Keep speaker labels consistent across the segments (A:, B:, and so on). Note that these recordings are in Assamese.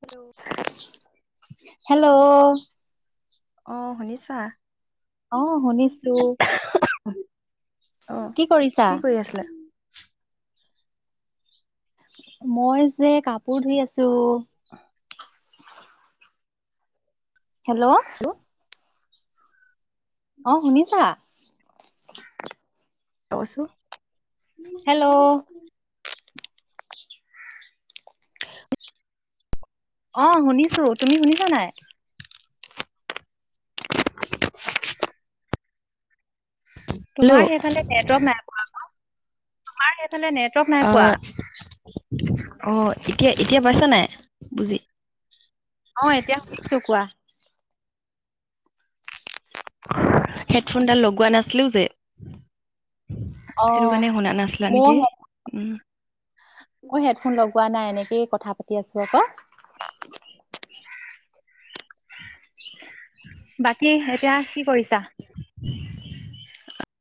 A: হেল্ল'
B: হেল্ল'
A: আহ শুনিছা?
B: অ শুনিছো।
A: হয়
B: কি কৰিছা? মই যে কাপোৰ ধুই আছো।
A: [unintelligible] [inaudible]
B: [inaudible] হেল্ল' অ শুনিছা?
A: তচো
B: হেল্ল' অ শুনিছো। তুমি শুনিছা নাই?
A: হেল্ল' অ
B: তোমাৰ সেইফালে নেটৱৰ্ক নাই পোৱা আক তোমাৰ সেইফালে নেটৱৰ্ক নাই পোৱা।
A: অ এতিয়া এতিয়া পাইছা নাই বুজি।
B: অ এতিয়া শুনিছো। কোৱা?
A: হেডফোনডাল লগোৱা নাছিলোঁ যে।
B: অ
A: সেইটো কাৰণে শুনা নাছিলা
B: মই
A: নেকি উম।
B: মই হেডফোন লগোৱা নাই এনেক- এই কথা পাতি আছো আকৌ। বাকী এতিয়া কি কৰিছা।
A: [unintelligible] [inaudible]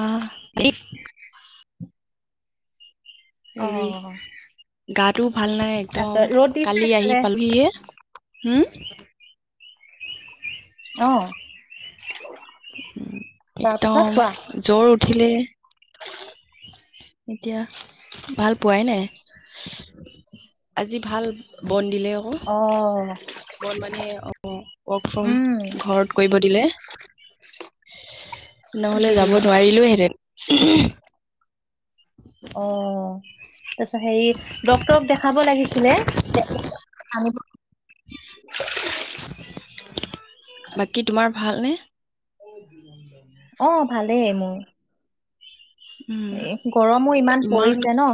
A: অহ দিপ।
B: অ।
A: গাটোও ভাল নাই একদম
B: তাৰপিছত ৰ'দ দিছে
A: কালি আহি
B: এইফালে
A: পালোহিহে হোম।
B: অ। তাৰপিছত
A: একদম
B: কোৱা?
A: জৰ উঠিলে এতিয়া ভাল পোৱাই নাই। আজি ভাল বন। দিলে আকৌ
B: অ।
A: বন মানীয়ে অ ৱৰ্ক ফ্ৰম
B: উম
A: ঘৰত কৰিব দিলে। [unintelligible] নহলে
B: কি
A: যাব
B: দিলা?
A: নোৱাৰিলোও হেঁতেন।
B: অ। তাৰছা হেৰি ডক্তৰক দেখাব লাগিছিলে আ।
A: অ
B: অ ভালেই মোৰ।
A: উম,
B: এ গৰমো ইমান পৰিছে ন।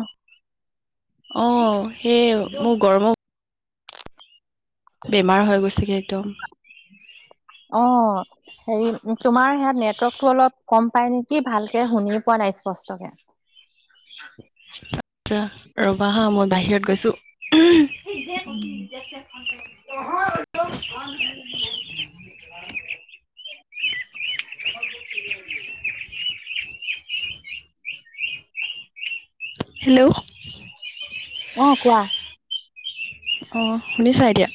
A: অ সেই মোৰ গৰম বেমাৰ হৈ গৈছেগে একদম।
B: অ হেৰি তোমাৰ ইয়াত নেটৱৰ্কতটো অলপ কম পাই নেকি ভালকে শুনি পোৱা নাই। নাহে স্পষ্টকে।
A: আচ্ছা ৰবা হা মই বাহিৰত গৈছো। সেইজে কৈছো। অ। [unintelligible] [unintelligible] হেল্ল'।
B: অ কোৱা।
A: অ শুনিছা এতিয়া?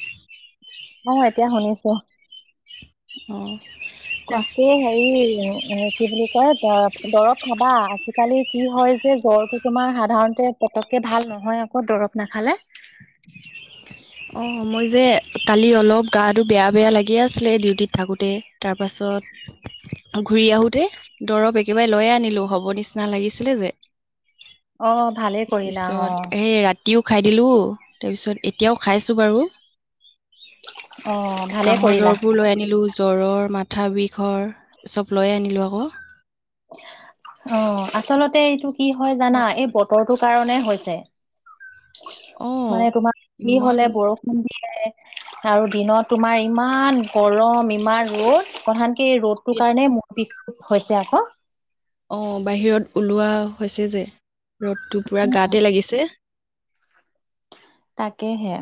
B: অ এতিয়া শুনিছো।
A: অ। কোৱা।
B: ৰাতিএ হেৰি এ। কি বুলি কয় দৰৱ খাবা আজিকালি কি হৈছে জ্বৰটো তোমাৰ সাধাৰণতে পটকে ভাল নহয় আকৌ দৰৱ নাখালে।
A: [unintelligible] অ মই যে কালি অলপ গাটো বেয়া-বেয়া লাগিয়ে আছিলে ডিউটিত থাকোঁতে তাৰপাছত ঘূৰি আহোতে দৰৱ একেবাৰে লৈ আনিলো হব নিচিনা লাগিছিলে যে।
B: অ ভালেই
A: ত
B: কৰিলা অ
A: পিছত এই ৰাত ৰাতিও খাই দিলো তাৰপিছত এতিয়াও খাইছো বাৰু।
B: অ ভালেই
A: কাহৰ
B: কৰিলা
A: দৰববোৰ লৈ আনিলো জ্বৰৰ মাথা বিষৰ চব লৈ আনিলো আকৌ।
B: অ আচলতে এইটো কি হয় জানা
A: বা-
B: এই বতৰটোৰ কাৰণে হৈছে।
A: অ
B: মানে তোমাৰ কি
A: ইমান
B: হলে বৰষুণ দিলে আৰু দিনত তোমাৰ ইমান গৰম ইমান ৰ'দ অশান্তি এই ৰ'দটোৰ কাৰণে মোৰ বিষ হৈছে আকৌ।
A: অ বাহিৰত ওলোৱা হৈছে যে ৰ'দটো পুৰা গাতে লাগিছে।
B: তাকেহে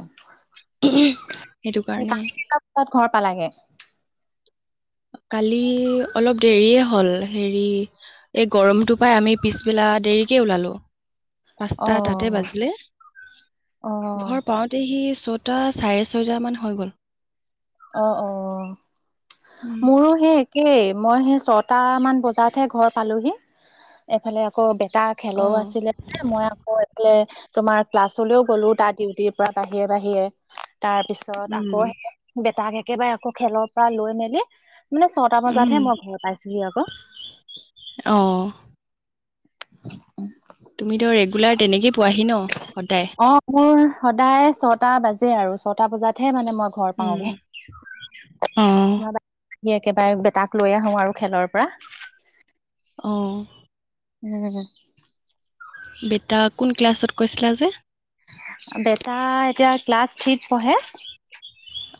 A: সেইটো
B: ক
A: কাৰণে
B: [unintelligible] ঘৰত পালাগে
A: কালি অলপ দেৰিয়ে হ'ল হেৰি এই গৰমটো পাই আমি পিছবেলা দেৰিকে ওলালো।
B: অ
A: পাঁচটা তাতে বাজিলে
B: অ
A: ঘৰ পাওঁতে সি ছটা চাৰে ছয়টামান হৈ গ'ল৷
B: অ-অ
A: উম
B: মোৰো সেই একে এই মই সেই ছটামান বজাতহে ঘৰ পালোহি এফালে আকৌ বে তাৰ
A: অ
B: খেলৰো আছিলে মই আকৌ এইফেলে তোমাৰ ক্লাছলৈও গ'লো তাৰ ডিউটিৰ পৰা বাহিৰে বাহিৰে তাৰ পিছত
A: উম
B: আকৌ বেটাক একেবাৰে আকৌ খেলৰ পৰা লৈ মেলি মানে ছটা
A: উম
B: বজাতহে মই ঘৰত পাইছোহি আকৌ
A: অ
B: [unintelligible]
A: তুমিতো ৰেগুলাৰ তেনেকেই পোৱাহি ন
B: অ
A: সদায়?
B: মোৰ সদায় ছটা বাজে আৰু ছটা বজাতহে মানে মই ঘৰ
A: উম
B: পাওঁগে
A: অ'।
B: সি একেবাৰে তাক লৈ আহো আৰু খেলৰ পৰা৷
A: অহ
B: উম
A: বেটা কোন ক্লাছত কৈছিলা যে?
B: বেটা এতিয়া ক্লাছ থ্ৰীত পঢ়ে৷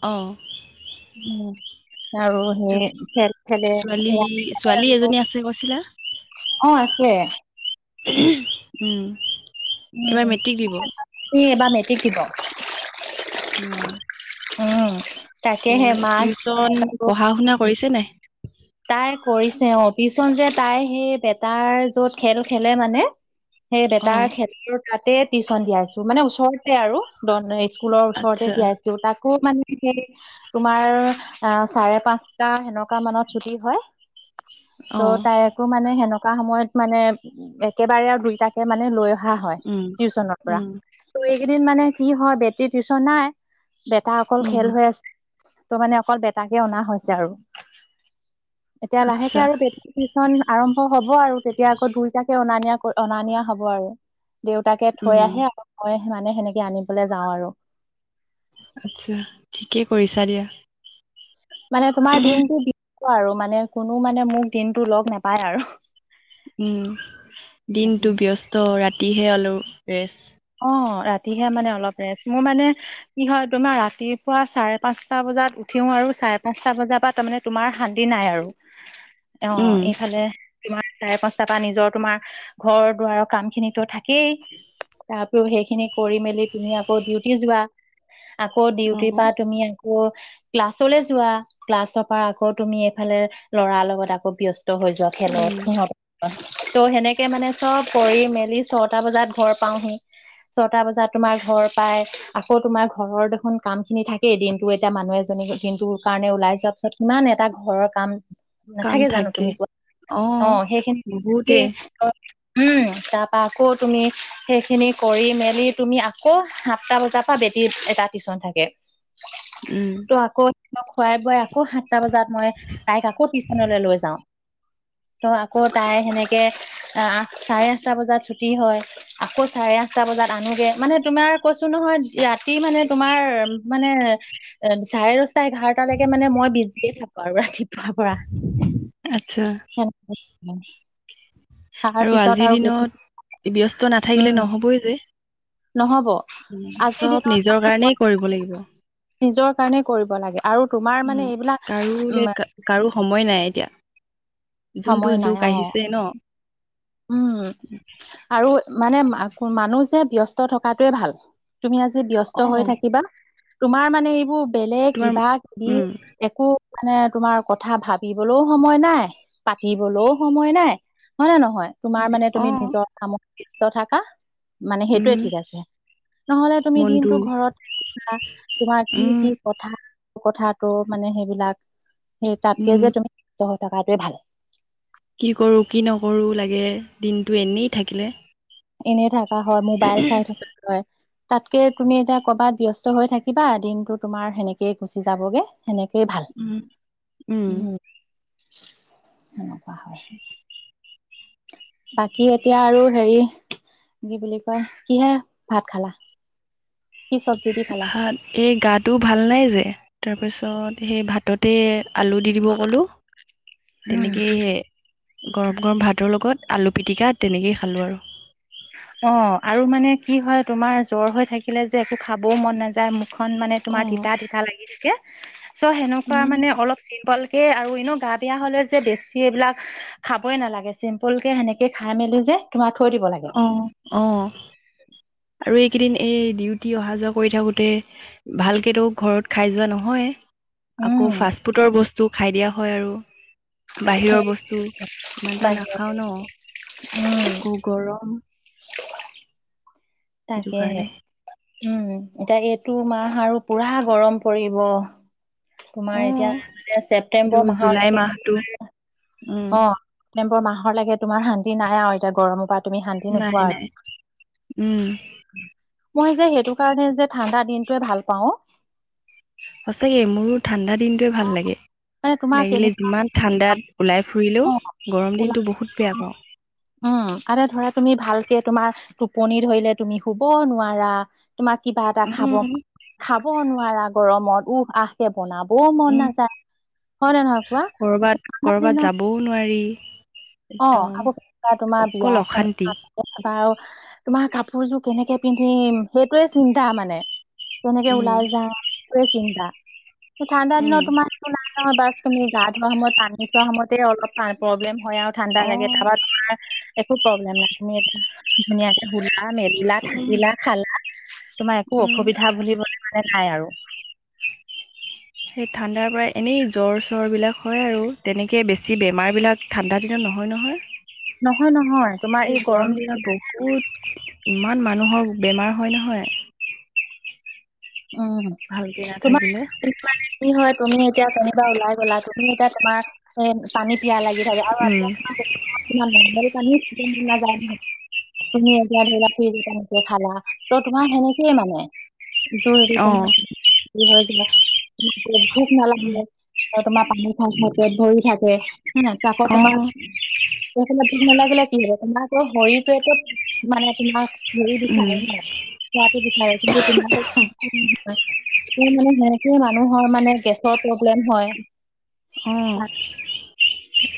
A: অঁ
B: উম আৰু সেই খেল খেলে
A: ছোৱালী
B: এ
A: ছোৱালী এজনী আছে
B: [unintelligible]
A: কৈছিলা?
B: অ আছে৷
A: উম
B: উম
A: এইবাৰ মেট্ৰিক দিব।
B: এবাৰ [unintelligible] সি এইবাৰ মেট্ৰিক দিব৷
A: অহ
B: উম তাকেহে মাক
A: টিউচন
B: যাব
A: পঢ়া শুনা কৰিছে নাই।
B: তাই কৰিছে অ পিচোন যে তাই সেই বেটাৰ যত খেল খেলে মানে সেই বেতাৰ
A: অ',
B: খেতৰ তাতে টিউচন দিয়াই আছো মানে ওচৰতে আৰু স্কুলৰ ওচৰতে
A: আচ্ছা।
B: দিয়াইছিল তাক আকৌ মানে সেই তোমাৰ অ চাৰে পাঁচটা সেনেকুৱা মানত ছুটি হয় ত'
A: অ',
B: তাইকো মানে সেনেকুৱা সময়ত মানে একেবাৰে আৰু দুইটাকে মানে লৈ অহা হয়
A: উম,
B: টিউচনৰ পৰা
A: উম,
B: ত' এইকেইদিন মানে কি হয় বেট টিউশন নাই বেটা অকল
A: উম,
B: খেল হৈ আছে ত' মানে অকল বেটাকে অনা হৈছে আৰু এতিয়া লাহেকে
A: আচ্ছা,
B: আৰু বন আৰম্ হ'ব আৰু তেতিয়া আকৌ দুইটাকে অনা নিয়া অনা নিয়া হ'ব আৰু দেউতাকে থৈ
A: উম,
B: আহে আৰু মই মানে সেনেকে আনিবলৈ যাওঁ আৰু
A: আচ্ছা ঠিকে কৰিছা দিয়া
B: মানে তোমাৰ দিনটো আৰু মানে কোনো মানে মোক দিনটো লগ নাপায় আৰু
A: উম দিনতটো ব্যস্ত ৰাতিহে অলো ৰেষ্ট [unintelligible]
B: অ ৰাতিহে মানে অলপ ৰেষ্ট মোৰ মানে কি হয় তোমাৰ ৰাতিপুৱা চাৰে পাঁচটা বজাত উঠি উঠোও আৰু চাৰে পাঁচটা বজাৰ পৰা তাৰমানে তোমাৰ শান্তি নাই আৰু অ
A: উম,
B: এইফালে [unintelligible] তোমাৰ চাৰে পাঁচটা পৰা নিজৰ তোমাৰ ঘৰ দুৱাৰৰ কাম খিনিতো থাকেই তাৰপৰি সেইখিনি কৰি মেলি তুমি আকৌ ডিউটি যোৱা আকৌ ডিউটিৰ
A: অ',
B: পৰা তুমি ক্লাছলৈ যোৱা ক্লাছৰপা আকৌ তুমি এইফালে লৰাৰ লগত আকৌ ব্যস্ত। হৈ যোৱা
A: উম,
B: খেলত স ত' সেনেকে মানে চব কৰি মেলি ছটা বজাত ঘৰ পাওহি ছটা বজাত তোমাৰ ঘৰ পাই আকৌ তোমাৰ ঘৰৰ দেখোন কাম খিনি থাকেই দিনটো এতিয়া মানু মানুহ এজনী দিনটো কাৰণে ওলাই যোৱা পিছত কিমান এটা ঘৰৰ কাম
A: কাম
B: নাথাকে জানো
A: থাকে।
B: তুমি কোৱা অ সেইখিনি
A: বহুতে
B: উম তাৰ পৰা আকৌ তুমি সেই খিনি কৰি মেলি তুমি আকৌ সাতটা বজাৰ পৰা বেটি এটা টিউশচন থাকে।
A: উম
B: ত' আকৌ স খুৱাই বোৱাই আকৌ সাতটা বজাত মই তাইক আকৌ টিউশচনলৈ লৈ যাও। ত আকৌ তাই সেনেকে আহ আ চাৰে আঠটা বজাত ছুটি হয়। আকৌ চাৰে আঠটা বজাত আনোগে মানে তোমাৰ কৈছো নহয় ৰাতি মানে তোমাৰ মানে অম চাৰে [unintelligible] এঘাৰট লৈকে মানে মই বিজিয়ে থাকো আৰু ৰাতিপুৱাৰ পৰা [inaudible] [inaudible]
A: আচ্ছা
B: তাৰ
A: আৰু
B: পিছত
A: আজিৰ দিনত ব্যস্ত নাথাকিলে
B: উম
A: নহবই যে
B: নহব আজিৰ
A: চব
B: দিনত
A: নিজৰ
B: মানে মই
A: কাৰণেই কৰিব লাগিব।
B: নিজৰ কাৰণে কৰিব লাগে আৰু তোমাৰ
A: উম
B: মানে এইবিলাক উ
A: কাৰোলে কাৰো সময় নাই এতিয়া যোনটো যোগ
B: অ
A: আহিছে ন।
B: উম আৰু মানে মানুহ যে ব্যস্ত থকাটোৱে ভাল। তুমি আজি
A: অ
B: ব্যস্ত হৈ থাকিবা তোমাৰ মানে এইবোৰ বেলেগ
A: তোমাৰ
B: কিবা কিবি
A: উম
B: একো মানে তোমাৰ কথা ভাবিবলৈও সময় নাই পাতিবলৈও সময় নাই। হয় নে নহয় তোমাৰ মানে
A: অ
B: তুমি নিজৰ কাম ব্যস্ত থাকা। মানে সেইটোৱে
A: উম
B: ঠিক আছে। নহলে তুমি
A: মনটো
B: দিনটো ঘৰত থাকিবা তোমাৰ কি
A: উম
B: কি কথা কথাতটো মানে সেইবিলাক সেই তাতকে
A: উম
B: যে তুমি ব্যস্ত হৈ থকাটোৱে ভাল।
A: কি কৰো কি নকৰো লাগে দিনটো এনেই থাকিলে।
B: এনে থাকা হয় মোবাইল চাই থকা হয়। তাতকে তুমি এতিয়া কৰবাত ব্যস্ত হৈ থাকিবা দিনতটো তোমাৰ সেনেকেই গুচি যাবগে। সেনেকেই ভাল
A: উম
B: উম সেনেকুৱা হয়। [unintelligible] বাকী এতিয়া আৰু হেৰি কি বুলি কয় কিহে ভাত খালা।
A: [inaudible]
B: কি চব্জি দি খালা
A: ভাত এই গাটো ভাল নাই যে তাৰপিছত সেই ভাততে আলু দি দিব ক'লোঁ
B: উম
A: তেনেকেই গৰম গৰম ভাতৰ লগত। আলু পিটিকা তেনেকেই খালোঁ আৰু
B: অ আৰু মানে কি হয় তোমাৰ জ্বৰ হৈ থাকিলে যে একো খাবও মন নাযায় মোক খন মানে তোমাৰ
A: অ',
B: তিতা তিতা লাগি থাকে। চ' সেনেকুৱা মানে অলপ চিম্পল। আৰু এনে গা বেয়া হলে যে বেছি এইবিলাক খাবই নালাগে চিম্পুল কে সেনেকে খাই মেলি যে তোমাক থৈ দিব লাগে।
A: আহ আৰু এইকেইদিন এই ডিউটি অহা যোৱা কৰি থাকোতে ভালকেতো ঘৰত খাই যোৱা নহয়। আকৌ
B: উম
A: ফাষ্টফুডৰ বস্তু খাই দিয়া হয় আৰু বাহিৰৰ বস্তু ইমান এটা
B: বাহিৰতে
A: নাখাও ন
B: উম
A: আকৌ গৰম সেইটো
B: তাকেহে
A: কাৰণে
B: উম এতিয়া এইটো মাহ আৰু পুৰা গৰম পৰিব। তোমাৰ
A: অ',
B: এতিয়ানে
A: এইটো
B: ছেপটেম্বৰ
A: জুলাই মাহটো
B: মাহলৈকে
A: উম,
B: অ ছেপটেম্বৰ মাহৰ লাগে তোমাৰ শান্তি নাই আৰু এতিয়া গৰম পা তুমি শান্তি
A: নাই
B: নোপোৱা
A: নাই উম,
B: আৰু মই যে সেইটো কাৰণে যে ঠাণ্ডা দিনটোয়ে ভাল পাও।
A: সঁচাকে মোৰো ঠাণ্ডা দিনটোয়ে ভাল লাগে
B: মানে তোমাৰ
A: লাগিলে
B: কেনেকুৱা
A: যিমান ঠাণ্ডাত ওলাই ফ ফুৰিলেও গৰম
B: অ
A: দিনটো বহুত বেয়া পাওঁ।
B: উম আৰু ধৰা তুমি ভালকে তোমাৰ টোপনি ধৰিলে তুমি শুব নোৱাৰা। তোমাক কিবা এটা খাব
A: উম,
B: খাব নোৱাৰা গৰমত উহ আহ কে। বনাব মন
A: উম,
B: নাযায় হয় নে নহয় কোৱা ঠাণ্ডা দিন
A: ক'ব নোৱাৰি
B: অ
A: একদম
B: আকৌ কেতিয়া তোমাৰ বিয়া
A: অকল অশান্তি
B: এখনাবা তোমাৰ কাপোৰযোৰ কেনেকে পিন্ধিম সেইটোয়ে চিন্তা মানে তেনেকে
A: উম
B: ওলাই যা সোৱে চিন্তা ঠাণ্ডা
A: উম
B: দিনত তোমাৰটো নাই নহয় তুমি গা ধোৱা সময়ত পানী চোৱা সময়তে অলপ প্ৰব্লেম হয় আৰু ঠাণ্ডা
A: অ
B: লাগে তাৰপা তোমাৰ একো প্ৰব্লেম নাই তুমি এ ধুনীয়াকে বলা মেলিলা
A: উম
B: থাকিলা খালা তোমাৰ একো
A: উম
B: অসুবিধা বুলিবলৈ মানে নাই আৰু
A: সেই ঠাণ্ডাৰ পৰা এনেই জ্বৰ চৰ বিলাক হয় আৰু তেনেকে বেছি বেমাৰ বিলাক ঠাণ্ডা দিনত নহয় নহয়
B: নহয় নহয় তোমাৰ এই
A: এই গৰম দিনত বহুত ইমান মানুহৰ বেমাৰ হয় নহয়
B: উম
A: ভালকে
B: তোমাৰ
A: নাথাকিলে
B: তুমি এতিয়া কেনিবা ওলাই গ'লা তুমি এতিয়া তোমাৰ এ পানী পিয়া লাগিল
A: উম
B: নাযায় [unintelligible] তুমি এতিয়া ধৰি লা ফ্ৰিজ এ তেনেকে খালা ত তোমাৰ সেনেকেই মানে
A: অ
B: দুই হৈ ভোক নালাগ
A: উম
B: তোমাৰ পানী খাই থাকে ভৰি থাকে হে আকৌ
A: অ
B: তোমাৰ সত বুক নালাগিলে কি হব তোমাৰ আকৌ শৰিটোৱো মানে তোমাৰ ভৰি বিষা
A: উম
B: ন [unintelligible] চতে বিঠাই কিন্ত তুমা তাত [unintelligible] মানে সেনেকে মানুহৰ মানে গেছৰ প্ৰব্লেম হয়।
A: অ [unintelligible]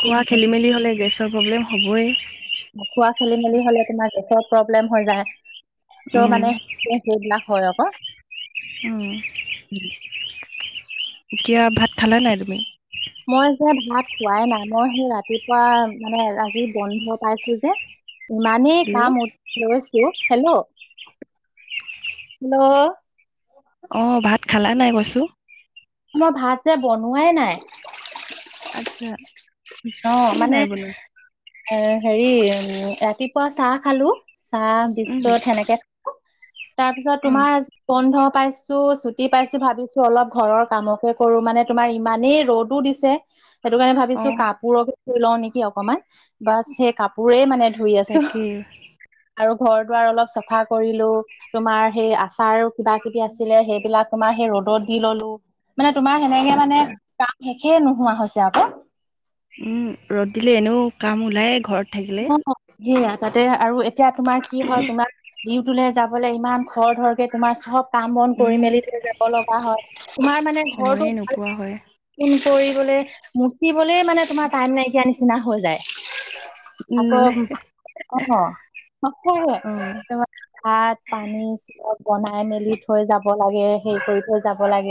A: খোৱা খেলি মেলি হ'লে গেছৰ প্ৰব্লেম হ'বই
B: খোৱা খেলি মেলি হলে তোমাৰ গেছৰ প্ৰব্লেম হৈ যায় ত'
A: উম
B: মানে সেইবিলাক হয় আকৌ
A: উম এতিয়া ভাত খালা নাই তুমি?
B: মই যে ভাত খোৱাই নাম সেই ৰাতিপুৱা মানে আজি বন্ধ পাইছোঁ যে মানে
A: হেল্ল'
B: কাম উঠচ হেল্ল' হেল্ল'-
A: অ ভাত খালা নাই কৈছো
B: ই ভাত যে বনোৱাই নাই
A: আত্ছা
B: অ মানে এ হেৰি উ ৰাতিপুৱা চাহ খালোঁ চাহ
A: উম,
B: বিস্কুট সেনেকে তাৰ পিছত
A: উম,
B: তোমাৰ বন্ধ পাইছোঁ ছুটি পাইছো ভাবিছো অলপ ঘৰৰ কামকে কৰো মানে তোমাৰ ইমানেই ৰ'দো দিছে সেইটো কাৰণে ভাবিছো
A: অ',
B: কাপোৰকে ধুই লওঁ নেকি অকনমান বা সেই কাপোৰেই মানে ধুই আছো
A: তাকেই
B: আৰু ঘৰ দুৱাৰ অলপ চাফা কৰিলোঁ তোমাৰ সেই আচাৰো কিবা কিবি আছিলে সেইবিলাক তোমাৰ সেই ৰ'দত দি ললোঁ মানে তোমাৰ সেনেকে মানে
A: আচ্ছা,
B: কাম শেষে নোহোৱা হৈছে আকৌ
A: উম ৰ'দ দিলে এনেও কাম ওলায় ঘৰত থাকিলে
B: অ সেয়া তাতে আৰু এতিয়া তোমাৰ কি হয় তোমাৰ ডিউটিলৈ যাবলৈ ইমান খৰ ধৰকে তোমাৰ চব কাম বন কৰি
A: উম,
B: মেলি যাব লগা হয় তোমাৰ মানে
A: সময়ে
B: ঘৰটো ভাল
A: নোপোৱা হয়।
B: কৰি গলে মুতিবলে মানে তোমাৰ টাইম নাইকিয়া নিচিনা হৈ যায়
A: উম
B: আকৌ অ
A: অ'।
B: তোমাৰ ভাত পানী চ বনাই মেলি থৈ যাব লাগে হে কৰি থৈ যাব লাগে